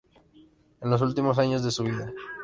En los últimos años de su vida.